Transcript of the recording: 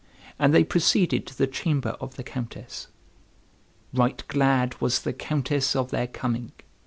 And they proceeded to the chamber of the Countess. Right glad was the Countess of their coming.